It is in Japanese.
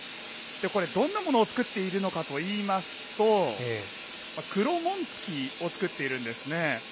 これ、どんなものを作っているのかといいますと、黒紋付きを作っているんですね。